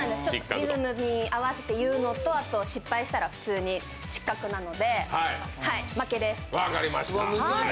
リズムに合わせて言うのとあと失敗したら普通に失格なので分かりました。